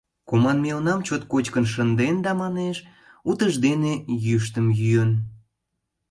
Команмелнам чот кочкын шынден да, манеш, утыждене йӱштым йӱын.